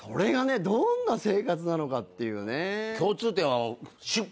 どんな生活なのかっていうね。